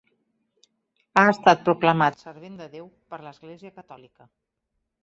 Ha estat proclamat servent de Déu per l'Església catòlica.